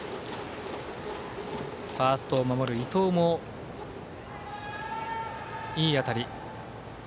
ファーストを守る伊藤もいい当たり。